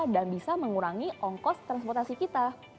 dan bisa mengurangi ongkos transportasi kita